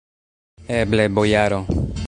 Eble, bojaro!